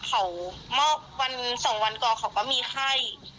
เขาวัน๒วันก่อนเขาก็มีไข้